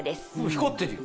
光ってるよ。